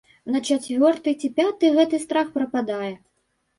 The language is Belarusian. На чацвёрты ці пяты гэты страх прападае.